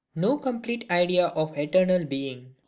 No complete Idea of Eternal Being.